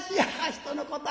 人のこと